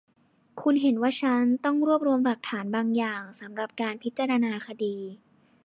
คุณเห็นว่าฉันต้องรวบรวมหลักฐานบางอย่างสำหรับการพิจารณาคดี